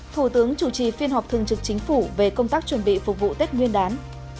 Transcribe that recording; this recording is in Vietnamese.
thủ tướng chủ trì phiên họp thường trực chính phủ về công tác chuẩn bị phục vụ tết nguyên đán